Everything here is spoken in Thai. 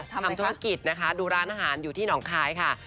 ทำธุรกิจนะคะดูร้านอาหารอยู่ที่หนองคายค่ะ